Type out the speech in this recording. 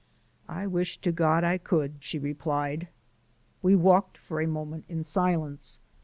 "I wish to God I could," she replied. We walked for a moment in silence.